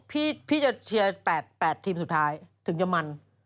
พี่จะเชียร์๘ทีมสุดท้ายถึงจะมัน